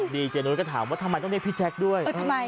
ดีเจนุ้ยก็ถามว่าทำไมต้องเรียกพี่แจ๊กส์ด้วยเออทำไม